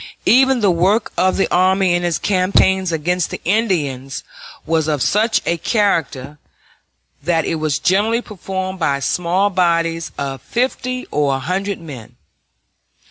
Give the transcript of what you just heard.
Even the work of the army in its campaigns against the Indians was of such a character that it was generally performed by small bodies of fifty or a hundred men.